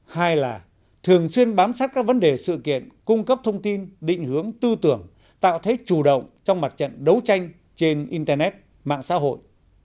hai là thường xuyên bám sát các vấn đề sự kiện cung cấp thông tin định hướng tư tưởng tạo thế chủ động trong mặt trận đấu tranh trên internet mạng xã hội